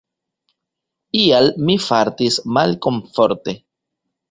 Ial mi fartis malkomforte.